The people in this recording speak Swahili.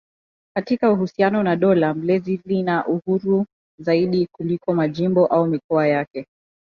Katika uhusiano na dola mlezi lina uhuru zaidi kuliko majimbo au mikoa yake.